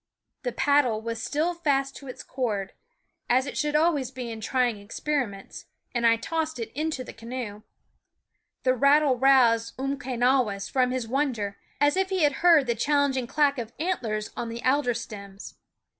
The paddle was still fast to its cord as it should always be in trying experiments and I tossed it into the canoe. The rattle roused Umquenawis from his wonder, as if he had heard the challenging clack of antlers on the alder stems.